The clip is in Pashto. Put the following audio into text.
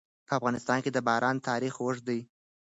په افغانستان کې د باران تاریخ اوږد دی.